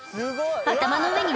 頭の上に